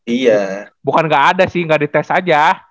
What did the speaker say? iya bukan gak ada sih gak dites aja